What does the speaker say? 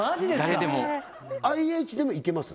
誰でもＩＨでもいけます？